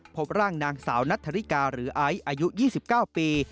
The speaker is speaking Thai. พบร่างนางสาวนัทธริกาหรือไอซ์อายุ๒๙ปี